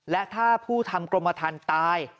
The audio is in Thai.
และถ้าผู้ทำกรมทันตาย